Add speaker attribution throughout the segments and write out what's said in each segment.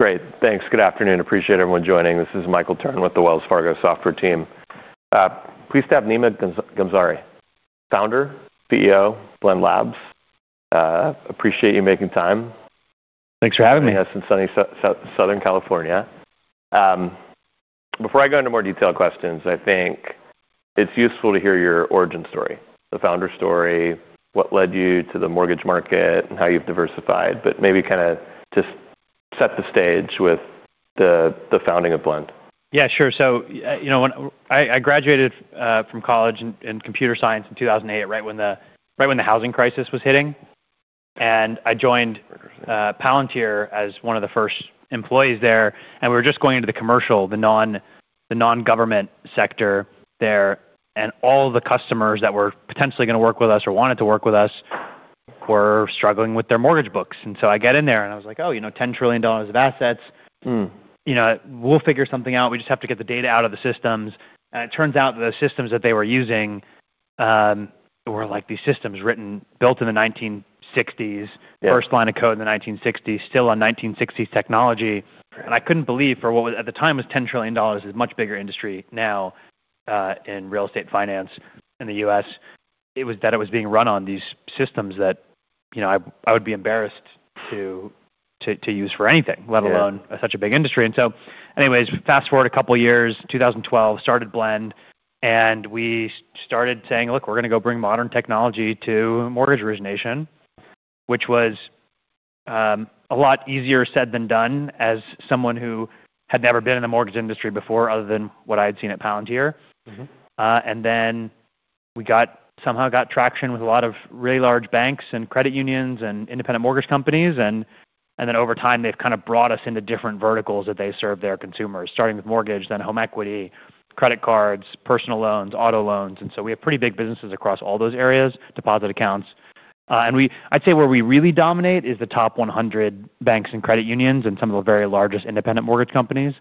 Speaker 1: Great. Thanks. Good afternoon. Appreciate everyone joining. This is Michael Turrin with the Wells Fargo software team. Please step Nima Ghamsari, founder, CEO, Blend Labs. Appreciate you making time.
Speaker 2: Thanks for having me.
Speaker 1: Yes. In sunny Southern California. Before I go into more detailed questions, I think it's useful to hear your origin story, the founder story, what led you to the mortgage market, and how you've diversified. Maybe kinda just set the stage with the, the founding of Blend.
Speaker 2: Yeah, sure. You know, when I graduated from college in computer science in 2008, right when the housing crisis was hitting. I joined Palantir as one of the first employees there. We were just going into the commercial, the non-government sector there. All the customers that were potentially gonna work with us or wanted to work with us were struggling with their mortgage books. I get in there and I was like, "Oh, you know, $10 trillion of assets." You know, we'll figure something out. We just have to get the data out of the systems. It turns out that the systems that they were using were like these systems written, built in the 1960s.
Speaker 1: Yeah.
Speaker 2: First line of code in the 1960s, still on 1960s technology.
Speaker 1: Right.
Speaker 2: I couldn't believe for what was at the time was $10 trillion, it is a much bigger industry now, in real estate finance in the U.S. It was that it was being run on these systems that, you know, I would be embarrassed to use for anything, let alone.
Speaker 1: Right.
Speaker 2: Such a big industry. Anyways, fast forward a couple years, 2012, started Blend. We started saying, "Look, we're gonna go bring modern technology to mortgage origination," which was a lot easier said than done as someone who had never been in the mortgage industry before other than what I had seen at Palantir.
Speaker 1: Mm-hmm.
Speaker 2: Then we somehow got traction with a lot of really large banks and credit unions and independent mortgage companies. Over time they've kind of brought us into different verticals that they serve their consumers, starting with mortgage, then home equity, credit cards, personal loans, auto loans. We have pretty big businesses across all those areas, deposit accounts. I'd say where we really dominate is the top 100 banks and credit unions and some of the very largest independent mortgage companies,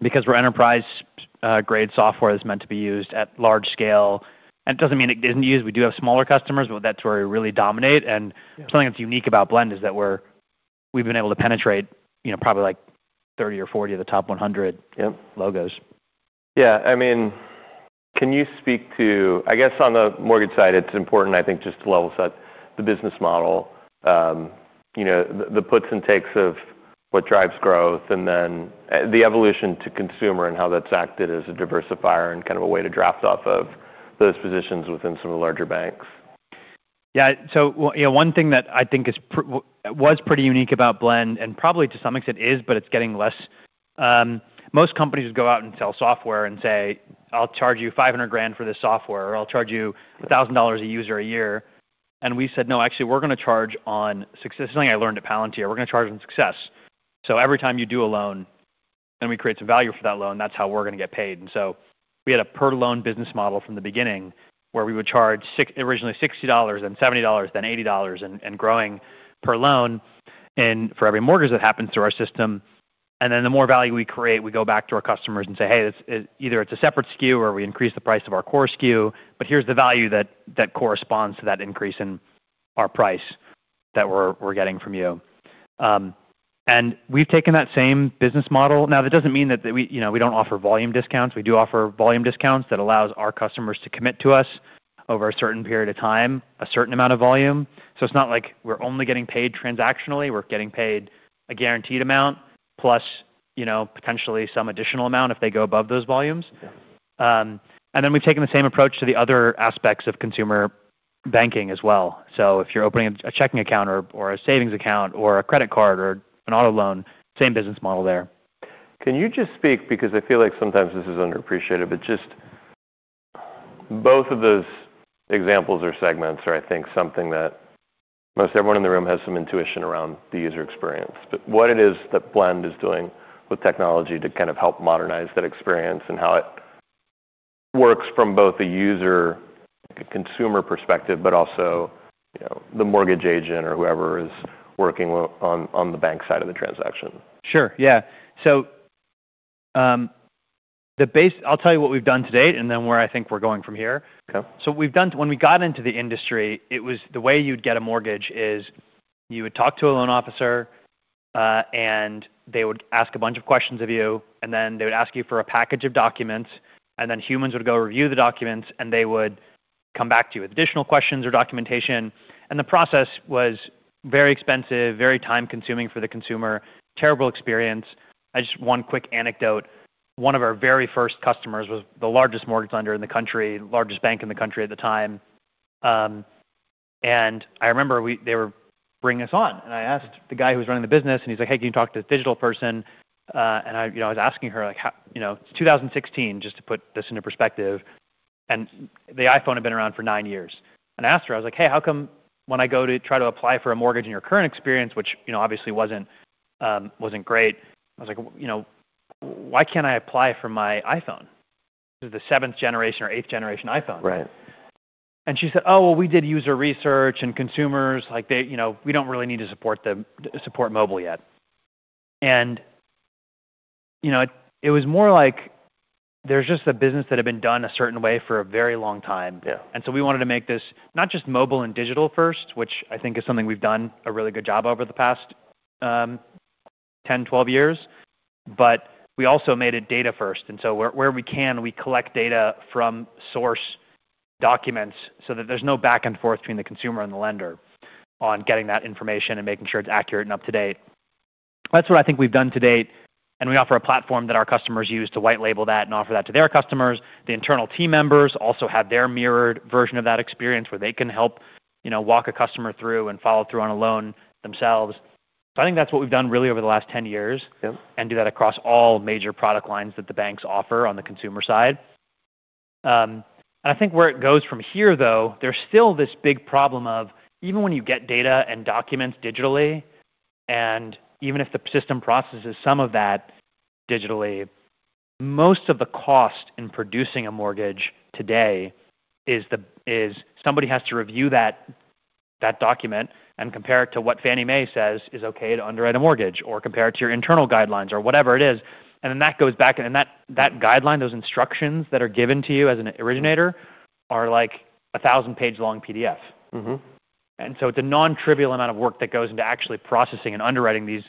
Speaker 2: because we're enterprise-grade software that's meant to be used at large scale. It doesn't mean it isn't used. We do have smaller customers, but that's where we really dominate.
Speaker 1: Yeah.
Speaker 2: Something that's unique about Blend is that we're, we've been able to penetrate, you know, probably like 30 or 40 of the top 100.
Speaker 1: Yep.
Speaker 2: Logos.
Speaker 1: Yeah. I mean, can you speak to, I guess on the mortgage side, it's important, I think, just to level set the business model, you know, the puts and takes of what drives growth and then, the evolution to consumer and how that's acted as a diversifier and kind of a way to draft off of those positions within some of the larger banks.
Speaker 2: Yeah. So, you know, one thing that I think is, was pretty unique about Blend and probably to some extent is, but it's getting less. Most companies would go out and sell software and say, "I'll charge you $500,000 for this software," or, "I'll charge you $1,000 a user a year." We said, "No, actually we're gonna charge on success." This is something I learned at Palantir. "We're gonna charge on success." Every time you do a loan and we create some value for that loan, that's how we're gonna get paid. We had a per-loan business model from the beginning where we would charge, originally $60, then $70, then $80, and growing per loan and for every mortgage that happens through our system. The more value we create, we go back to our customers and say, "Hey, it's, it's either it's a separate SKU or we increase the price of our core SKU, but here's the value that, that corresponds to that increase in our price that we're, we're getting from you." We've taken that same business model. That doesn't mean that, that we, you know, we don't offer volume discounts. We do offer volume discounts that allows our customers to commit to us over a certain period of time, a certain amount of volume. It's not like we're only getting paid transactionally. We're getting paid a guaranteed amount plus, you know, potentially some additional amount if they go above those volumes.
Speaker 1: Yeah.
Speaker 2: We've taken the same approach to the other aspects of consumer banking as well. If you're opening a checking account or a savings account or a credit card or an auto loan, same business model there.
Speaker 1: Can you just speak because I feel like sometimes this is underappreciated, but just both of those examples or segments are, I think, something that most everyone in the room has some intuition around the user experience. What it is that Blend is doing with technology to kind of help modernize that experience and how it works from both the user, the consumer perspective, but also, you know, the mortgage agent or whoever is working on the bank side of the transaction.
Speaker 2: Sure. Yeah. The base, I'll tell you what we've done to date and then where I think we're going from here.
Speaker 1: Okay.
Speaker 2: We've done when we got into the industry, it was the way you'd get a mortgage is you would talk to a loan officer, and they would ask a bunch of questions of you. They would ask you for a package of documents. Humans would go review the documents and they would come back to you with additional questions or documentation. The process was very expensive, very time-consuming for the consumer, terrible experience. I just one quick anecdote. One of our very first customers was the largest mortgage lender in the country, largest bank in the country at the time. I remember we they were bringing us on. I asked the guy who was running the business and he is like, "Hey, can you talk to this digital person?" I was asking her like how, you know, it is 2016, just to put this into perspective. The iPhone had been around for nine years. I asked her, I was like, "Hey, how come when I go to try to apply for a mortgage in your current experience," which, you know, obviously was not great, I was like, "Why cannot I apply from my iPhone? This is the seventh-generation or eighth-generation iPhone.
Speaker 1: Right.
Speaker 2: She said, "Oh, we did user research and consumers, like they, you know, we don't really need to support mobile yet." It was more like there's just a business that had been done a certain way for a very long time.
Speaker 1: Yeah.
Speaker 2: We wanted to make this not just mobile and digital first, which I think is something we've done a really good job over the past 10, 12 years. We also made it data first. Where we can, we collect data from source documents so that there's no back and forth between the consumer and the lender on getting that information and making sure it's accurate and up to date. That's what I think we've done to date. We offer a platform that our customers use to white label that and offer that to their customers. The internal team members also have their mirrored version of that experience where they can help, you know, walk a customer through and follow through on a loan themselves. I think that's what we've done really over the last 10 years.
Speaker 1: Yep.
Speaker 2: Do that across all major product lines that the banks offer on the consumer side. I think where it goes from here though, there's still this big problem of even when you get data and documents digitally and even if the system processes some of that digitally, most of the cost in producing a mortgage today is somebody has to review that document and compare it to what Fannie Mae says is okay to underwrite a mortgage or compare it to your internal guidelines or whatever it is. That goes back and that guideline, those instructions that are given to you as an originator are like a 1,000-page long PDF.
Speaker 1: Mm-hmm.
Speaker 2: It is a non-trivial amount of work that goes into actually processing and underwriting these,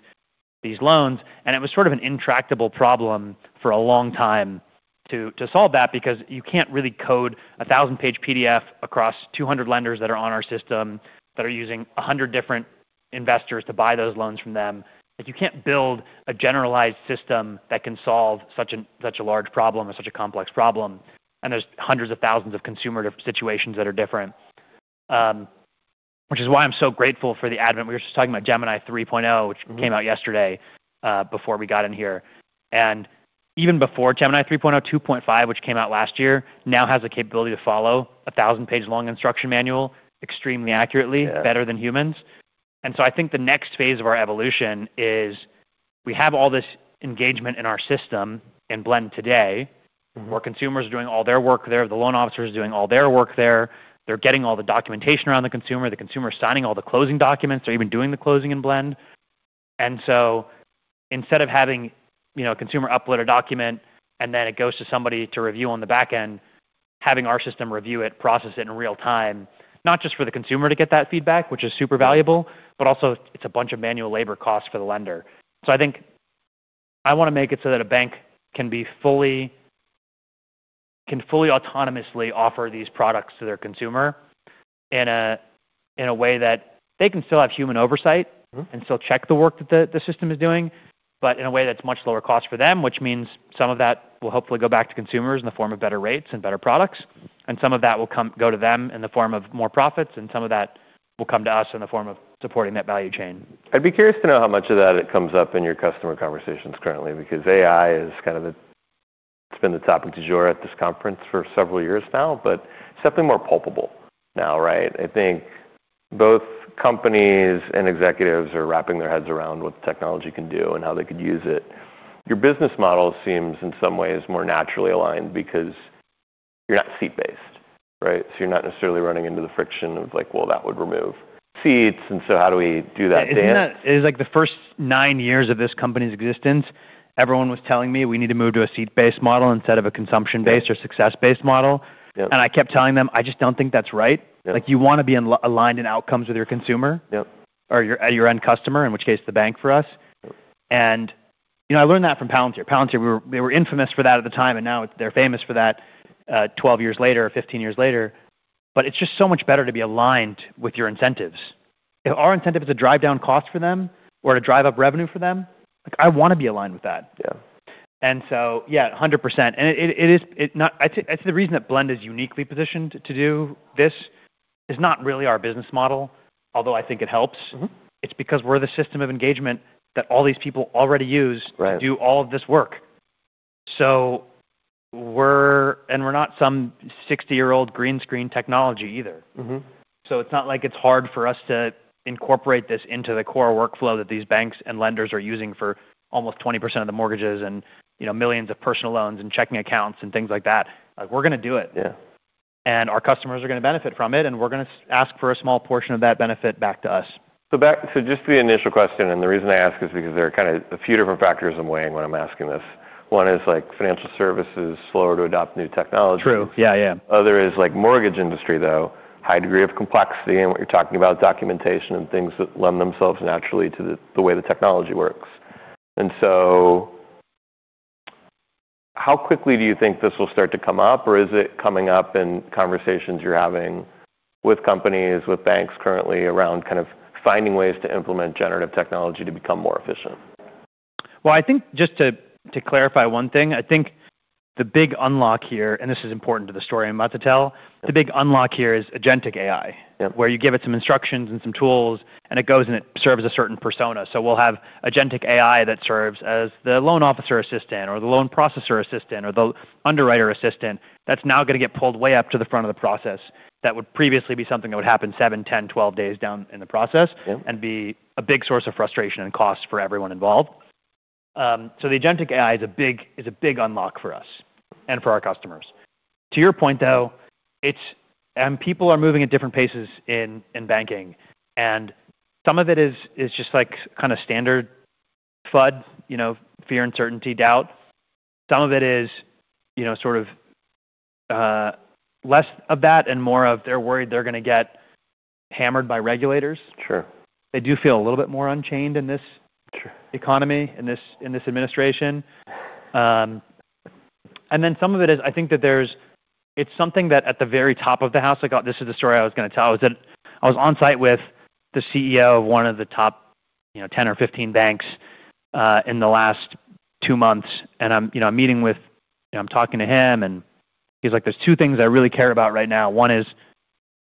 Speaker 2: these loans. It was sort of an intractable problem for a long time to solve that because you can't really code a 1,000-page PDF across 200 lenders that are on our system that are using 100 different investors to buy those loans from them. You can't build a generalized system that can solve such a large problem or such a complex problem. There are hundreds of thousands of consumer situations that are different, which is why I'm so grateful for the advent we were just talking about Gemini 3.0, which came out yesterday, before we got in here. Even before Gemini 3.0, 2.5, which came out last year, now has the capability to follow a 1,000-page long instruction manual extremely accurately.
Speaker 1: Yeah.
Speaker 2: Better than humans. I think the next phase of our evolution is we have all this engagement in our system in Blend today.
Speaker 1: Mm-hmm.
Speaker 2: Where consumers are doing all their work there. The loan officer's doing all their work there. They're getting all the documentation around the consumer. The consumer's signing all the closing documents. They're even doing the closing in Blend. Instead of having, you know, a consumer upload a document and then it goes to somebody to review on the back end, having our system review it, process it in real time, not just for the consumer to get that feedback, which is super valuable, but also it's a bunch of manual labor costs for the lender. I think I wanna make it so that a bank can fully autonomously offer these products to their consumer in a way that they can still have human oversight.
Speaker 1: Mm-hmm.
Speaker 2: They still check the work that the system is doing, but in a way that's much lower cost for them, which means some of that will hopefully go back to consumers in the form of better rates and better products. Some of that will go to them in the form of more profits. Some of that will come to us in the form of supporting that value chain.
Speaker 1: I'd be curious to know how much of that it comes up in your customer conversations currently because AI is kind of a it's been the topic du jour at this conference for several years now, but it's definitely more palpable now, right? I think both companies and executives are wrapping their heads around what the technology can do and how they could use it. Your business model seems in some ways more naturally aligned because you're not seat-based, right? So you're not necessarily running into the friction of like, "Well, that would remove seats. And so how do we do that?
Speaker 2: Yeah. It is like the first nine years of this company's existence, everyone was telling me we need to move to a seat-based model instead of a consumption-based or success-based model.
Speaker 1: Yep.
Speaker 2: I kept telling them, "I just don't think that's right.
Speaker 1: Yeah.
Speaker 2: Like you wanna be aligned in outcomes with your consumer.
Speaker 1: Yep.
Speaker 2: Or your end customer, in which case the bank for us.
Speaker 1: Yep.
Speaker 2: You know, I learned that from Palantir. Palantir, we were, they were infamous for that at the time. Now they're famous for that, 12 years later or 15 years later. It is just so much better to be aligned with your incentives. If our incentive is to drive down cost for them or to drive up revenue for them, like I wanna be aligned with that.
Speaker 1: Yeah.
Speaker 2: Yeah, 100%. It is, it is not, I think, I think the reason that Blend is uniquely positioned to do this is not really our business model, although I think it helps.
Speaker 1: Mm-hmm.
Speaker 2: It's because we're the system of engagement that all these people already use.
Speaker 1: Right.
Speaker 2: To do all of this work. We're not some 60-year-old green screen technology either.
Speaker 1: Mm-hmm.
Speaker 2: It is not like it is hard for us to incorporate this into the core workflow that these banks and lenders are using for almost 20% of the mortgages and, you know, millions of personal loans and checking accounts and things like that. Like we are gonna do it.
Speaker 1: Yeah.
Speaker 2: Our customers are gonna benefit from it. We're gonna ask for a small portion of that benefit back to us.
Speaker 1: Back to just the initial question. The reason I ask is because there are kind of a few different factors in weighing when I'm asking this. One is like financial services slower to adopt new technology.
Speaker 2: True. Yeah. Yeah.
Speaker 1: Other is like mortgage industry though, high degree of complexity in what you're talking about, documentation and things that lend themselves naturally to the, the way the technology works. How quickly do you think this will start to come up? Is it coming up in conversations you're having with companies, with banks currently around kind of finding ways to implement generative technology to become more efficient?
Speaker 2: I think just to clarify one thing, I think the big unlock here and this is important to the story I'm about to tell.
Speaker 1: Yep.
Speaker 2: The big unlock here is agentic AI.
Speaker 1: Yep.
Speaker 2: Where you give it some instructions and some tools and it goes and it serves a certain persona. We'll have agentic AI that serves as the loan officer assistant or the loan processor assistant or the underwriter assistant that's now gonna get pulled way up to the front of the process that would previously be something that would happen 7, 10, 12 days down in the process.
Speaker 1: Yep.
Speaker 2: can be a big source of frustration and cost for everyone involved. The agentic AI is a big unlock for us and for our customers. To your point though, people are moving at different paces in banking. Some of it is just kind of standard FUD, you know, fear, uncertainty, doubt. Some of it is, you know, less of that and more of they're worried they're gonna get hammered by regulators.
Speaker 1: Sure.
Speaker 2: They do feel a little bit more unchained in this.
Speaker 1: Sure.
Speaker 2: Economy in this administration. And then some of it is I think that there's, it's something that at the very top of the house like, oh, this is the story I was gonna tell. I was on site with the CEO of one of the top, you know, 10 or 15 banks, in the last two months. And I'm, you know, I'm meeting with, you know, I'm talking to him. And he's like, "There's two things I really care about right now. One is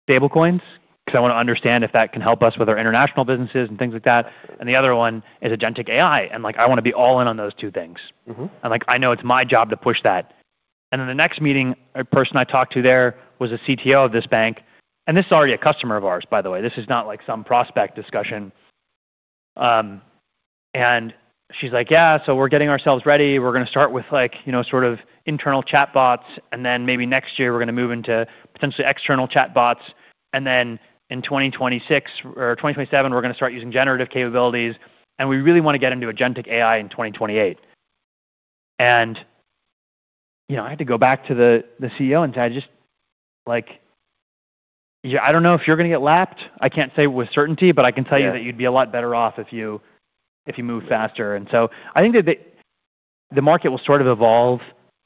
Speaker 2: stablecoins 'cause I wanna understand if that can help us with our international businesses and things like that. And the other one is agentic AI." Like, "I wanna be all in on those two things.
Speaker 1: Mm-hmm.
Speaker 2: I know it's my job to push that." The next meeting, a person I talked to there was a CTO of this bank. This is already a customer of ours, by the way. This is not like some prospect discussion. She's like, "Yeah. We're getting ourselves ready. We're gonna start with, like, you know, sort of internal chatbots. Then maybe next year we're gonna move into potentially external chatbots. In 2026 or 2027, we're gonna start using generative capabilities. We really wanna get into agentic AI in 2028." I had to go back to the CEO and say, "I just, like, yeah, I don't know if you're gonna get lapped. I can't say with certainty, but I can tell you that you'd be a lot better off if you move faster. I think that the market will sort of evolve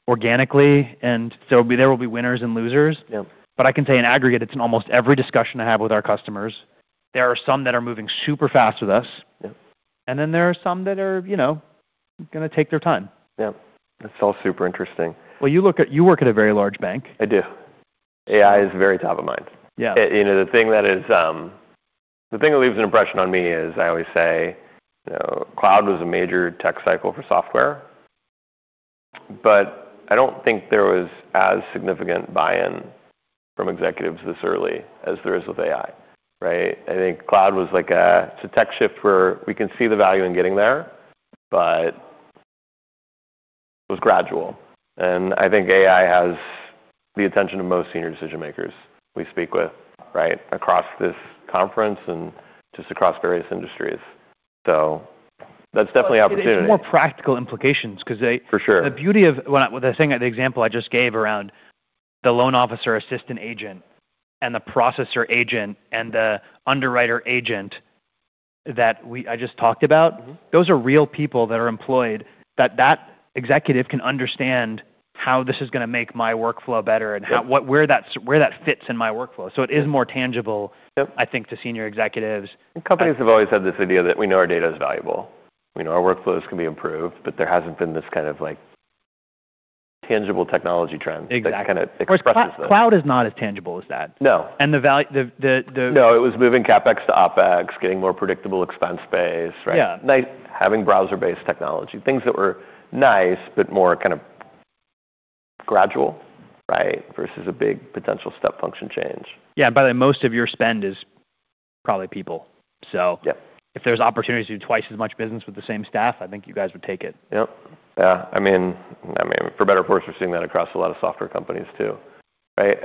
Speaker 2: organically. There will be winners and losers.
Speaker 1: Yep.
Speaker 2: I can say in aggregate, it's in almost every discussion I have with our customers, there are some that are moving super fast with us.
Speaker 1: Yep.
Speaker 2: There are some that are, you know, gonna take their time.
Speaker 1: Yep. That's all super interesting.
Speaker 2: You look at you work at a very large bank.
Speaker 1: I do. AI is very top of mind.
Speaker 2: Yeah.
Speaker 1: And you know, the thing that is, the thing that leaves an impression on me is I always say, you know, cloud was a major tech cycle for software. But I don't think there was as significant buy-in from executives this early as there is with AI, right? I think cloud was like a it's a tech shift where we can see the value in getting there, but it was gradual. And I think AI has the attention of most senior decision makers we speak with, right, across this conference and just across various industries. So that's definitely opportunity.
Speaker 2: There are more practical implications 'cause they.
Speaker 1: For sure.
Speaker 2: The beauty of when I was saying the example I just gave around the loan officer assistant agent and the processor agent and the underwriter agent that we I just talked about.
Speaker 1: Mm-hmm.
Speaker 2: Those are real people that are employed that that executive can understand how this is gonna make my workflow better and how.
Speaker 1: Yep.
Speaker 2: What, where that is, where that fits in my workflow. It is more tangible.
Speaker 1: Yep.
Speaker 2: I think to senior executives.
Speaker 1: Companies have always had this idea that we know our data is valuable. You know, our workflows can be improved, but there hasn't been this kind of like tangible technology trend.
Speaker 2: Exactly.
Speaker 1: That kinda expresses that.
Speaker 2: Cloud is not as tangible as that.
Speaker 1: No.
Speaker 2: The val.
Speaker 1: No, it was moving CapEx to OpEx, getting more predictable expense base, right?
Speaker 2: Yeah.
Speaker 1: Nice having browser-based technology. Things that were nice but more kind of gradual, right, versus a big potential step function change.
Speaker 2: Yeah. By the way, most of your spend is probably people.
Speaker 1: Yep.
Speaker 2: If there's opportunities to do twice as much business with the same staff, I think you guys would take it.
Speaker 1: Yep. Yeah. I mean, for better or worse, we're seeing that across a lot of software companies too, right?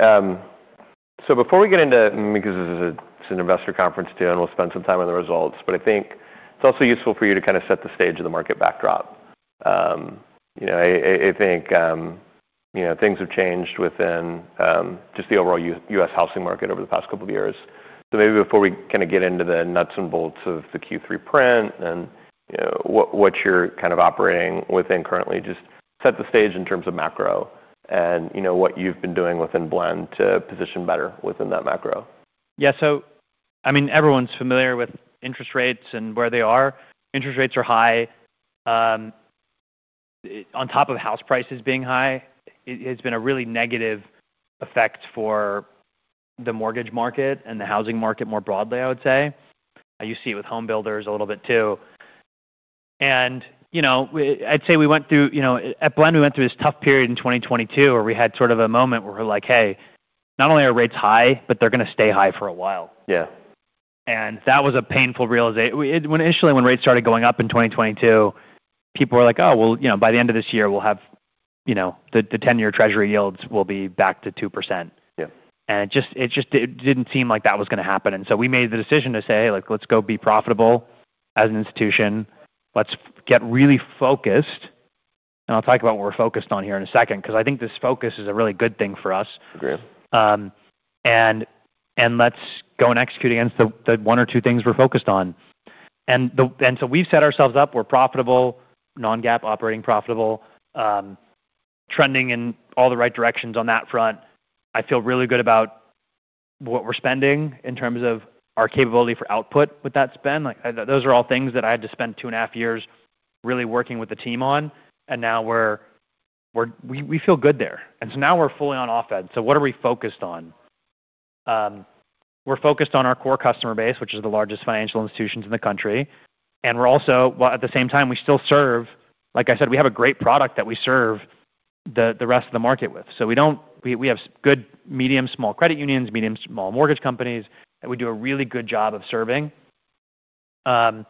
Speaker 1: Before we get into, because this is a, it's an investor conference too, and we'll spend some time on the results. I think it's also useful for you to kinda set the stage of the market backdrop. You know, I think, you know, things have changed within just the overall U.S. housing market over the past couple of years. Maybe before we kinda get into the nuts and bolts of the Q3 print and, you know, what you're kind of operating within currently, just set the stage in terms of macro and, you know, what you've been doing within Blend to position better within that macro.
Speaker 2: Yeah. I mean, everyone's familiar with interest rates and where they are. Interest rates are high. On top of house prices being high, it has been a really negative effect for the mortgage market and the housing market more broadly, I would say. You see it with home builders a little bit too. You know, we, I'd say we went through, you know, at Blend, we went through this tough period in 2022 where we had sort of a moment where we're like, "Hey, not only are rates high, but they're gonna stay high for a while.
Speaker 1: Yeah.
Speaker 2: That was a painful realization when initially when rates started going up in 2022, people were like, "Oh, you know, by the end of this year, we'll have, you know, the 10-year treasury yields will be back to 2%.
Speaker 1: Yeah.
Speaker 2: It just did not seem like that was gonna happen. We made the decision to say, "Hey, like, let's go be profitable as an institution. Let's get really focused." I'll talk about what we're focused on here in a second 'cause I think this focus is a really good thing for us.
Speaker 1: Agreed.
Speaker 2: Let's go and execute against the one or two things we're focused on. We've set ourselves up. We're profitable, non-GAAP operating profitable, trending in all the right directions on that front. I feel really good about what we're spending in terms of our capability for output with that spend. Those are all things that I had to spend two and a half years really working with the team on. Now we feel good there. Now we're fully on offense. What are we focused on? We're focused on our core customer base, which is the largest financial institutions in the country. At the same time, we still serve, like I said, we have a great product that we serve the rest of the market with. We have good medium small credit unions, medium small mortgage companies that we do a really good job of serving. In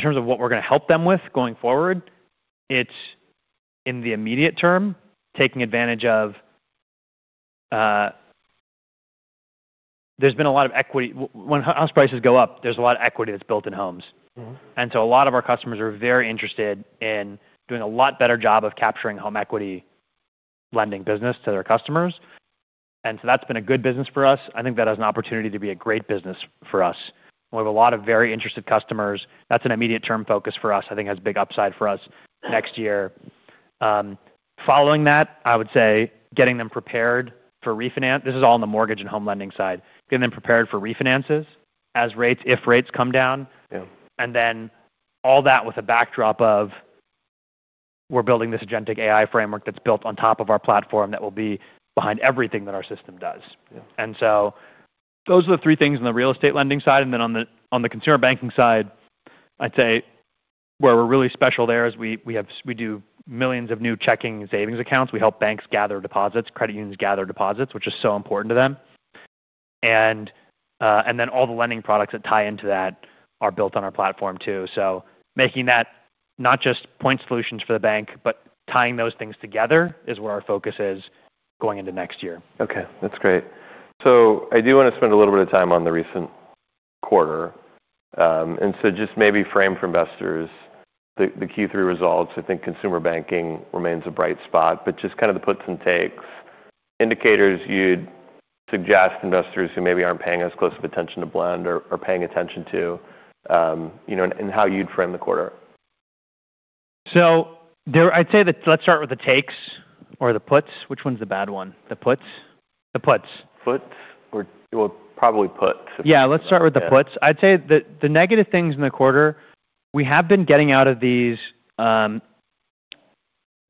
Speaker 2: terms of what we're gonna help them with going forward, it's in the immediate term, taking advantage of, there's been a lot of equity. When house prices go up, there's a lot of equity that's built in homes.
Speaker 1: Mm-hmm.
Speaker 2: A lot of our customers are very interested in doing a lot better job of capturing home equity lending business to their customers. That has been a good business for us. I think that has an opportunity to be a great business for us. We have a lot of very interested customers. That is an immediate term focus for us. I think it has big upside for us next year. Following that, I would say getting them prepared for refinance. This is all on the mortgage and home lending side. Getting them prepared for refinances if rates come down.
Speaker 1: Yeah.
Speaker 2: All that with a backdrop of we're building this agentic AI framework that's built on top of our platform that will be behind everything that our system does.
Speaker 1: Yeah.
Speaker 2: Those are the three things on the real estate lending side. On the consumer banking side, I'd say where we're really special there is we do millions of new checking and savings accounts. We help banks gather deposits, credit unions gather deposits, which is so important to them. Then all the lending products that tie into that are built on our platform too. Making that not just point solutions for the bank, but tying those things together is where our focus is going into next year.
Speaker 1: Okay. That's great. I do wanna spend a little bit of time on the recent quarter. Just maybe frame for investors the Q3 results. I think consumer banking remains a bright spot, but just kinda the puts and takes, indicators you'd suggest investors who maybe aren't paying as close of attention to Blend or paying attention to, you know, and how you'd frame the quarter.
Speaker 2: I'd say that let's start with the takes or the puts. Which one's the bad one? The puts? The puts.
Speaker 1: Put or, or probably puts.
Speaker 2: Yeah. Let's start with the puts. I'd say the, the negative things in the quarter, we have been getting out of these.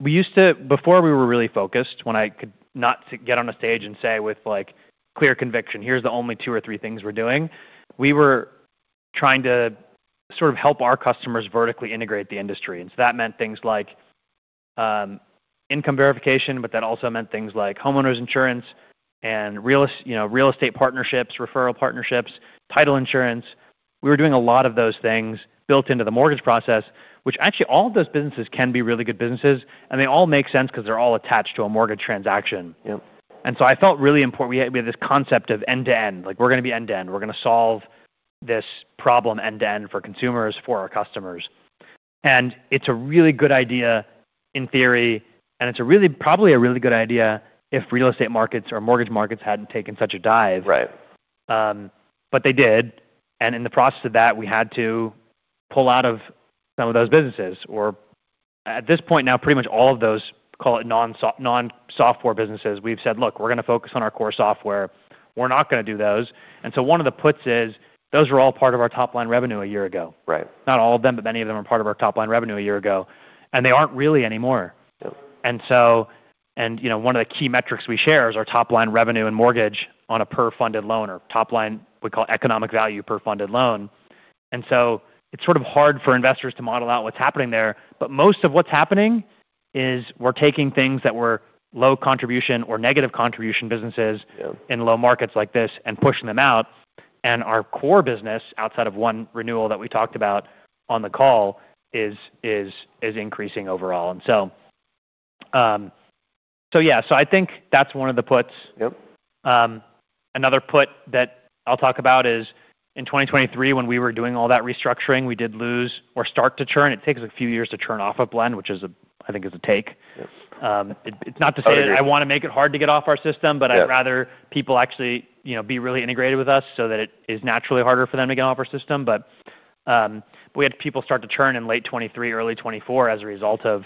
Speaker 2: We used to, before we were really focused, when I could not get on a stage and say with like clear conviction, "Here's the only two or three things we're doing." We were trying to sort of help our customers vertically integrate the industry. That meant things like income verification, but that also meant things like homeowners insurance and real estate, you know, real estate partnerships, referral partnerships, title insurance. We were doing a lot of those things built into the mortgage process, which actually all of those businesses can be really good businesses. They all make sense 'cause they're all attached to a mortgage transaction.
Speaker 1: Yep.
Speaker 2: I felt really important we had this concept of end-to-end. Like we're gonna be end-to-end. We're gonna solve this problem end-to-end for consumers, for our customers. It's a really good idea in theory. It's probably a really good idea if real estate markets or mortgage markets hadn't taken such a dive.
Speaker 1: Right.
Speaker 2: They did. In the process of that, we had to pull out of some of those businesses or at this point now, pretty much all of those, call it non-software businesses. We've said, "Look, we're gonna focus on our core software. We're not gonna do those." One of the puts is those were all part of our top line revenue a year ago.
Speaker 1: Right.
Speaker 2: Not all of them, but many of them are part of our top line revenue a year ago. They aren't really anymore.
Speaker 1: Yep.
Speaker 2: You know, one of the key metrics we share is our top line revenue in mortgage on a per-funded loan or top line we call economic value per funded loan. It is sort of hard for investors to model out what is happening there. Most of what is happening is we are taking things that were low contribution or negative contribution businesses.
Speaker 1: Yep.
Speaker 2: In low markets like this and pushing them out. Our core business outside of one renewal that we talked about on the call is increasing overall. I think that's one of the puts.
Speaker 1: Yep.
Speaker 2: Another put that I'll talk about is in 2023, when we were doing all that restructuring, we did lose or start to churn. It takes a few years to churn off of Blend, which is a I think is a take.
Speaker 1: Yep.
Speaker 2: It's not to say that I wanna make it hard to get off our system, but I'd rather.
Speaker 1: Yep.
Speaker 2: People actually, you know, be really integrated with us so that it is naturally harder for them to get off our system. We had people start to churn in late 2023, early 2024 as a result of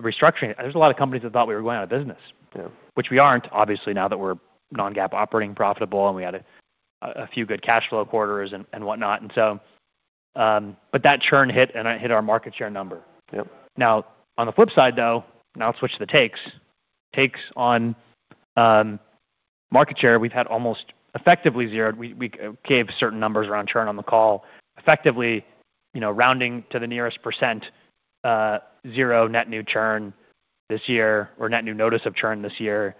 Speaker 2: restructuring. There's a lot of companies that thought we were going out of business.
Speaker 1: Yeah.
Speaker 2: Which we aren't, obviously, now that we're non-GAAP operating profitable and we had a few good cash flow quarters and whatnot. That churn hit and it hit our market share number.
Speaker 1: Yep.
Speaker 2: Now, on the flip side though, now I'll switch to the takes. Takes on market share, we've had almost effectively zero. We gave certain numbers around churn on the call. Effectively, you know, rounding to the nearest %, zero net new churn this year or net new notice of churn this year.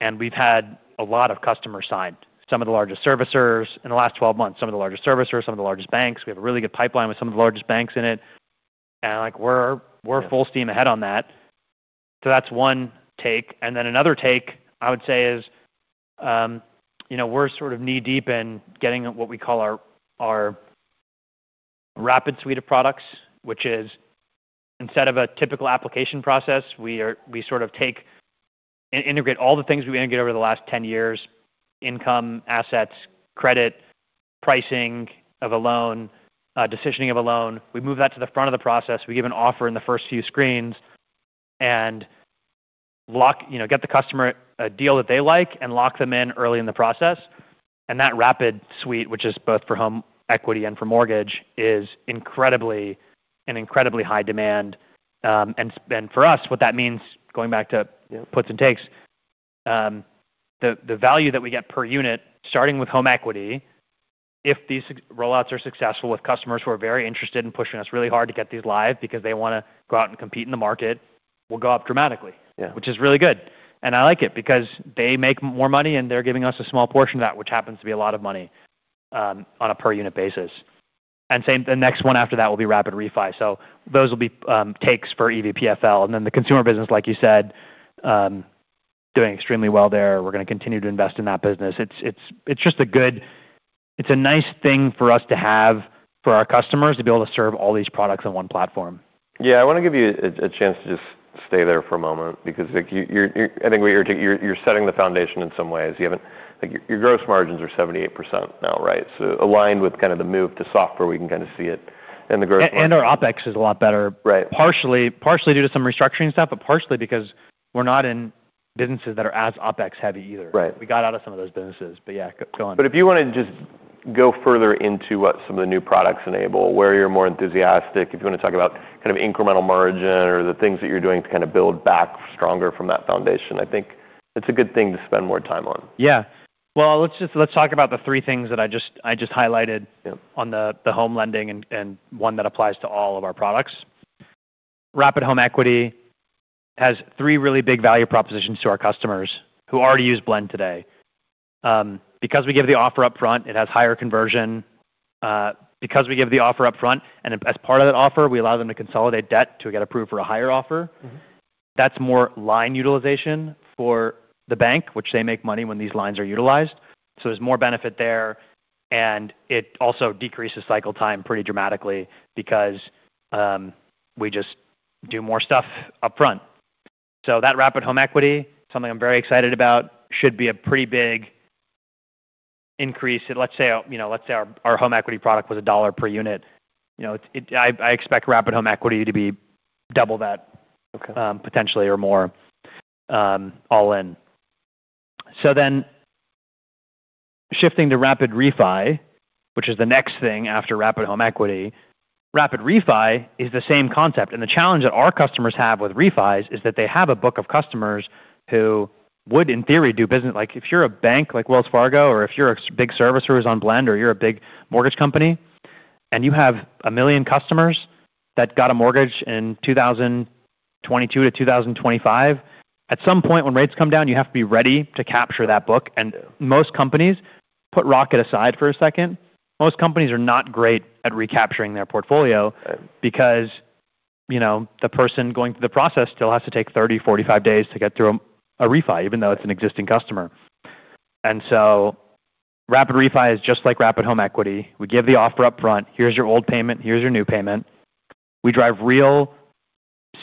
Speaker 2: And we've had a lot of customers signed. Some of the largest servicers in the last 12 months, some of the largest servicers, some of the largest banks. We have a really good pipeline with some of the largest banks in it. Like we're full steam ahead on that. So that's one take. Another take I would say is, you know, we're sort of knee-deep in getting what we call our rapid suite of products, which is instead of a typical application process, we sort of take and integrate all the things we integrate over the last 10 years: income, assets, credit, pricing of a loan, decisioning of a loan. We move that to the front of the process. We give an offer in the first few screens and lock, you know, get the customer a deal that they like and lock them in early in the process. That rapid suite, which is both for home equity and for mortgage, is in incredibly high demand. And for us, what that means, going back to, you know, puts and takes, the value that we get per unit, starting with home equity, if these rollouts are successful with customers who are very interested in pushing us really hard to get these live because they want to go out and compete in the market, will go up dramatically.
Speaker 1: Yeah.
Speaker 2: Which is really good. I like it because they make more money and they're giving us a small portion of that, which happens to be a lot of money, on a per unit basis. Same, the next one after that will be Rapid Refi. Those will be takes for EVPFL. The consumer business, like you said, doing extremely well there. We're gonna continue to invest in that business. It's just a good, it's a nice thing for us to have for our customers to be able to serve all these products on one platform.
Speaker 1: Yeah. I wanna give you a chance to just stay there for a moment because, like, you're, you're, I think what you're taking, you're setting the foundation in some ways. You haven't, like, your gross margins are 78% now, right? So aligned with kinda the move to software, we can kinda see it in the gross margins.
Speaker 2: Our OpEx is a lot better.
Speaker 1: Right.
Speaker 2: Partially, partially due to some restructuring stuff, but partially because we're not in businesses that are as OpEx heavy either.
Speaker 1: Right.
Speaker 2: We got out of some of those businesses. Yeah, go on.
Speaker 1: If you wanna just go further into what some of the new products enable, where you're more enthusiastic, if you wanna talk about kind of incremental margin or the things that you're doing to kinda build back stronger from that foundation, I think it's a good thing to spend more time on.
Speaker 2: Yeah. Let's just talk about the three things that I just highlighted.
Speaker 1: Yep.
Speaker 2: On the home lending and one that applies to all of our products. Rapid Home Equity has three really big value propositions to our customers who already use Blend today. Because we give the offer upfront, it has higher conversion. Because we give the offer upfront and as part of that offer, we allow them to consolidate debt to get approved for a higher offer.
Speaker 1: Mm-hmm.
Speaker 2: That's more line utilization for the bank, which they make money when these lines are utilized. There's more benefit there. It also decreases cycle time pretty dramatically because, you know, we just do more stuff upfront. That Rapid Home Equity, something I'm very excited about, should be a pretty big increase. Let's say, you know, let's say our home equity product was $1 per unit. You know, I expect Rapid Home Equity to be double that.
Speaker 1: Okay.
Speaker 2: potentially or more, all in. Shifting to Rapid Refi, which is the next thing after Rapid Home Equity. Rapid Refi is the same concept. The challenge that our customers have with refis is that they have a book of customers who would, in theory, do business. Like if you're a bank like Wells Fargo or if you're a big servicer on Blend or you're a big mortgage company and you have a million customers that got a mortgage in 2022 to 2025, at some point when rates come down, you have to be ready to capture that book. Most companies, put Rocket aside for a second, most companies are not great at recapturing their portfolio.
Speaker 1: Right.
Speaker 2: Because, you know, the person going through the process still has to take 30-45 days to get through a refi, even though it's an existing customer. Rapid Refi is just like Rapid Home Equity. We give the offer upfront. Here's your old payment. Here's your new payment. We drive real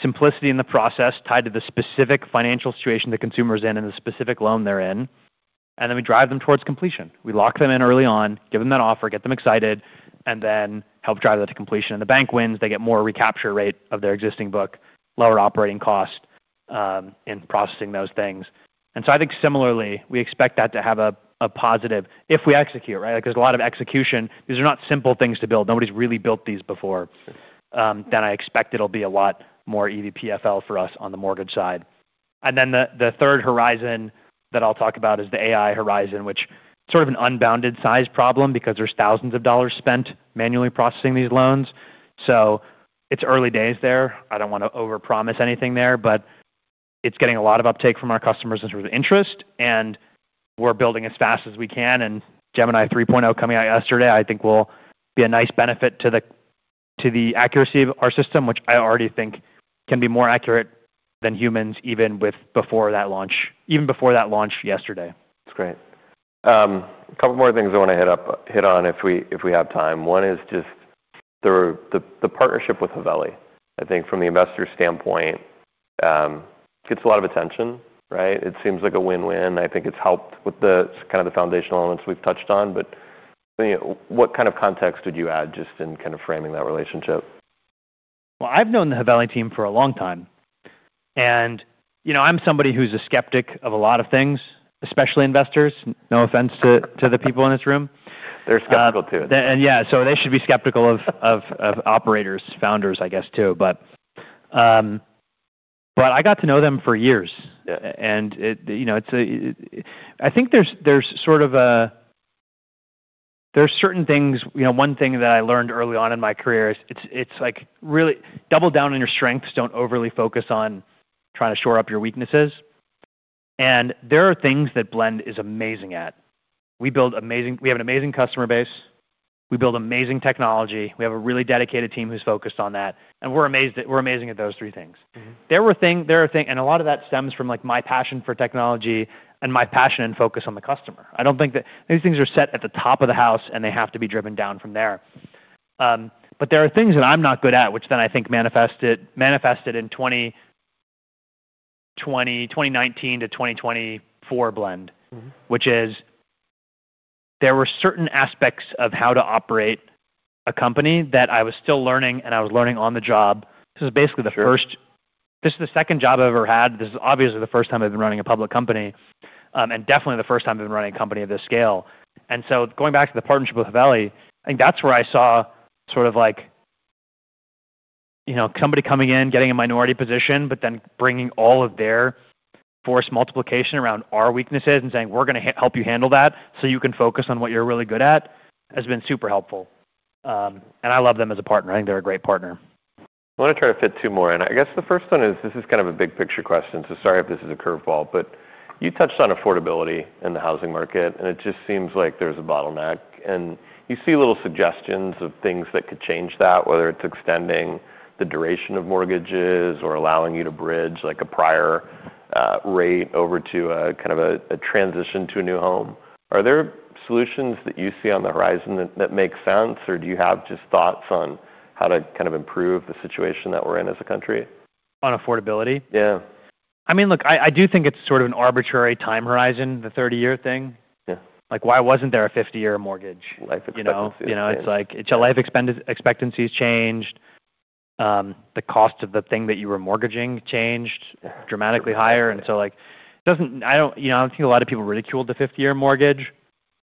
Speaker 2: simplicity in the process tied to the specific financial situation the consumer's in and the specific loan they're in. We drive them towards completion. We lock them in early on, give them that offer, get them excited, and then help drive that to completion. The bank wins. They get more recapture rate of their existing book, lower operating cost in processing those things. I think similarly, we expect that to have a positive if we execute, right? Like there's a lot of execution. These are not simple things to build. Nobody's really built these before.
Speaker 1: Sure.
Speaker 2: I expect it'll be a lot more EVPFL for us on the mortgage side. The third horizon that I'll talk about is the AI horizon, which is sort of an unbounded size problem because there's thousands of dollars spent manually processing these loans. It's early days there. I don't wanna overpromise anything there, but it's getting a lot of uptake from our customers in terms of interest. We're building as fast as we can. Gemini 3.0 coming out yesterday, I think will be a nice benefit to the accuracy of our system, which I already think can be more accurate than humans even before that launch yesterday.
Speaker 1: That's great. A couple more things I wanna hit on if we have time. One is just the partnership with Haveli, I think from the investor standpoint, gets a lot of attention, right? It seems like a win-win. I think it's helped with the kind of the foundational elements we've touched on. You know, what kind of context would you add just in kind of framing that relationship?
Speaker 2: I've known the Haveli team for a long time. You know, I'm somebody who's a skeptic of a lot of things, especially investors. No offense to the people in this room.
Speaker 1: They're skeptical too.
Speaker 2: Yeah. They should be skeptical of operators, founders, I guess, too. I got to know them for years.
Speaker 1: Yeah.
Speaker 2: It, you know, it's a I think there's, there's sort of a there's certain things, you know, one thing that I learned early on in my career is it's, it's like really double down on your strengths. Don't overly focus on trying to shore up your weaknesses. There are things that Blend is amazing at. We build amazing, we have an amazing customer base. We build amazing technology. We have a really dedicated team who's focused on that. We're amazing at those three things.
Speaker 1: Mm-hmm.
Speaker 2: There were things, there are things, and a lot of that stems from like my passion for technology and my passion and focus on the customer. I don't think that these things are set at the top of the house and they have to be driven down from there. There are things that I'm not good at, which then I think manifested in 2020, 2019 to 2024 Blend.
Speaker 1: Mm-hmm.
Speaker 2: Which is there were certain aspects of how to operate a company that I was still learning and I was learning on the job. This is basically the first.
Speaker 1: Sure.
Speaker 2: This is the second job I've ever had. This is obviously the first time I've been running a public company, and definitely the first time I've been running a company of this scale. Going back to the partnership with Haveli, I think that's where I saw sort of like, you know, somebody coming in, getting a minority position, but then bringing all of their force multiplication around our weaknesses and saying, "We're gonna help you handle that so you can focus on what you're really good at," has been super helpful. I love them as a partner. I think they're a great partner.
Speaker 1: I wanna try to fit two more in. I guess the first one is this is kind of a big picture question. Sorry if this is a curveball, but you touched on affordability in the housing market, and it just seems like there's a bottleneck. You see little suggestions of things that could change that, whether it's extending the duration of mortgages or allowing you to bridge like a prior rate over to a kind of a transition to a new home. Are there solutions that you see on the horizon that make sense? Do you have just thoughts on how to kind of improve the situation that we're in as a country?
Speaker 2: On affordability?
Speaker 1: Yeah.
Speaker 2: I mean, look, I do think it's sort of an arbitrary time horizon, the 30-year thing.
Speaker 1: Yeah.
Speaker 2: Like why wasn't there a 50-year mortgage?
Speaker 1: Life expectancies.
Speaker 2: You know, it's like it's your life expectancies changed. The cost of the thing that you were mortgaging changed dramatically higher.
Speaker 1: Yeah.
Speaker 2: It doesn't, I don't, you know, I don't think a lot of people ridiculed the 50-year mortgage.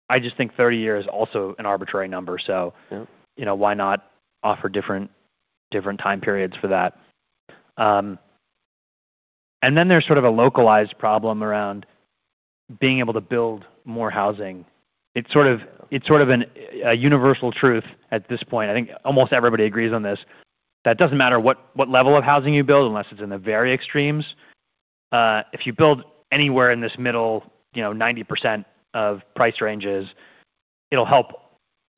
Speaker 2: I just think 30-year is also an arbitrary number.
Speaker 1: Yeah.
Speaker 2: You know, why not offer different, different time periods for that? And then there's sort of a localized problem around being able to build more housing. It's sort of, it's sort of a universal truth at this point. I think almost everybody agrees on this. That doesn't matter what, what level of housing you build unless it's in the very extremes. If you build anywhere in this middle, you know, 90% of price ranges, it'll help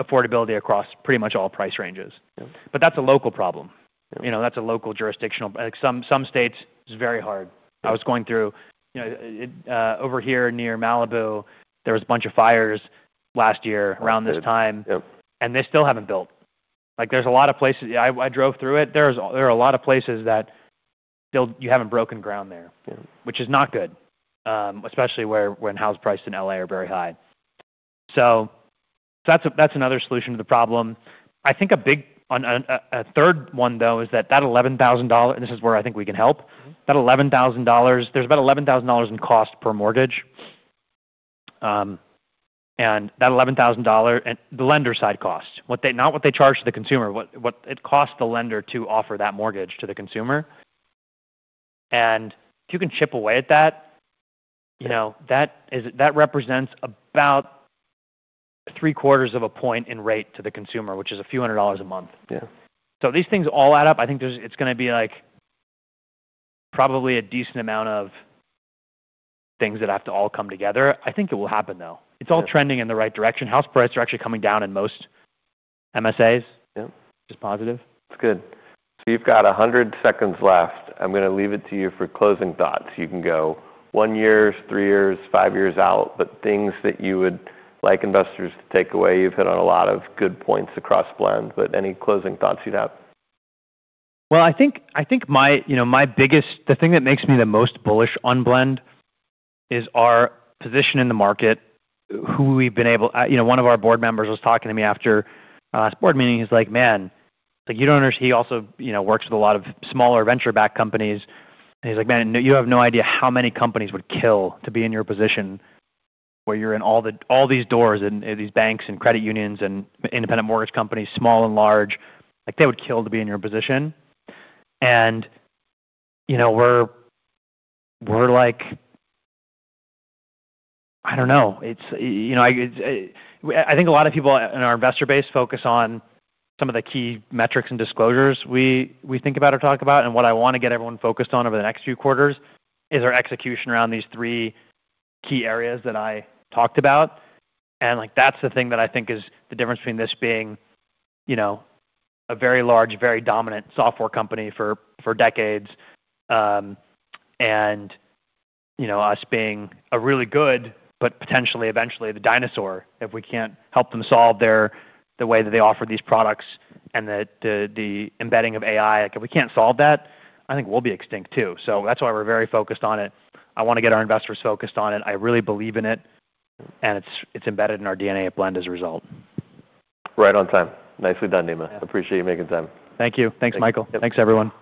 Speaker 2: affordability across pretty much all price ranges.
Speaker 1: Yeah.
Speaker 2: That's a local problem.
Speaker 1: Yeah.
Speaker 2: You know, that's a local jurisdictional. Like some, some states it's very hard. I was going through, you know, it, over here near Malibu, there was a bunch of fires last year around this time.
Speaker 1: Yeah. Yeah.
Speaker 2: They still haven't built. Like there's a lot of places, I drove through it. There are a lot of places that still you haven't broken ground there.
Speaker 1: Yeah.
Speaker 2: Which is not good, especially where when house price in L.A. are very high. That's a that's another solution to the problem. I think a big on a, a, a third one though is that that $11,000, and this is where I think we can help, that $11,000, there's about $11,000 in cost per mortgage. That $11,000 and the lender side cost, what they not what they charge to the consumer, what, what it costs the lender to offer that mortgage to the consumer. If you can chip away at that, you know, that is that represents about three-quarters of a point in rate to the consumer, which is a few hundred dollars a month.
Speaker 1: Yeah.
Speaker 2: These things all add up. I think there's it's gonna be like probably a decent amount of things that have to all come together. I think it will happen though. It's all trending in the right direction. House prices are actually coming down in most MSAs.
Speaker 1: Yeah.
Speaker 2: Just positive.
Speaker 1: That's good. You have 100 seconds left. I'm gonna leave it to you for closing thoughts. You can go one year, three years, five years out, but things that you would like investors to take away. You've hit on a lot of good points across Blend, but any closing thoughts you'd have?
Speaker 2: I think my, you know, my biggest, the thing that makes me the most bullish on Blend is our position in the market, who we've been able, you know, one of our board members was talking to me after our last board meeting. He's like, "Man, like you don't under," he also, you know, works with a lot of smaller venture-backed companies. And he's like, "Man, you have no idea how many companies would kill to be in your position where you're in all the, all these doors and these banks and credit unions and independent mortgage companies, small and large. Like they would kill to be in your position." You know, we're, we're like, I don't know. It's, you know, I think a lot of people in our investor base focus on some of the key metrics and disclosures we think about or talk about. What I wanna get everyone focused on over the next few quarters is our execution around these three key areas that I talked about. That's the thing that I think is the difference between this being, you know, a very large, very dominant software company for decades, and, you know, us being a really good but potentially eventually the dinosaur if we can't help them solve the way that they offer these products and the embedding of AI. Like if we can't solve that, I think we'll be extinct too. That's why we're very focused on it. I wanna get our investors focused on it. I really believe in it.
Speaker 1: Yeah.
Speaker 2: It's embedded in our DNA at Blend as a result.
Speaker 1: Right on time. Nicely done, Nima.
Speaker 2: Yeah.
Speaker 1: Appreciate you making time.
Speaker 2: Thank you. Thanks, Michael.
Speaker 1: Yep.
Speaker 2: Thanks, everyone.